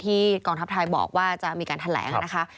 กองทัพไทยบอกว่าจะมีการแถลงนะคะ